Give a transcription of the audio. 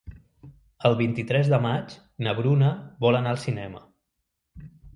El vint-i-tres de maig na Bruna vol anar al cinema.